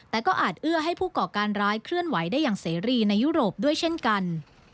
แต่ก็อาจเอื้อให้ผู้ก่อการร้ายเคลื่อนไหวได้อย่างเสรีในยุโรปด้วยเช่นกัน